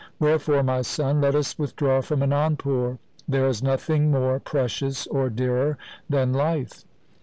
Wherefore, my son, let us with draw from Anandpur. There is nothing more precious or dearer than life.'